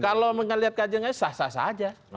kalau melihat kajiannya sah sah saja